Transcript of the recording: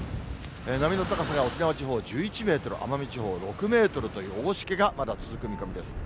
波の高さが沖縄地方１１メートル、奄美地方６メートルという大しけがまだ続く見込みです。